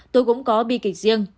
tôi cũng có bi kịch riêng